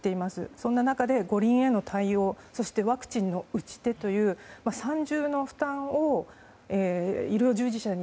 そんな中で五輪への対応そしてワクチンの打ち手という３重の負担を医療従事者に。